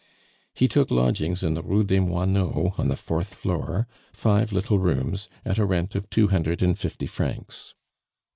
He took lodgings in the Rue des Moineaux on the fourth floor, five little rooms, at a rent of two hundred and fifty francs.